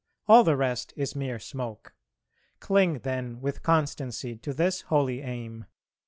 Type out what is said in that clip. All the rest is mere smoke. Cling then with constancy to this holy aim.